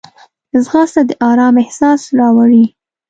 ځغاسته د آرام احساس راوړي